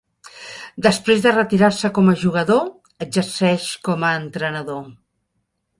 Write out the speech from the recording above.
Després de retirar-se com a jugador, exerceix com a entrenador.